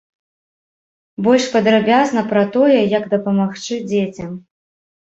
Больш падрабязна пра тое, як дапамагчы дзецям.